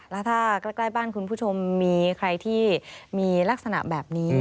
แล้วถ้าใกล้บ้านคุณผู้ชมมีใครที่มีลักษณะแบบนี้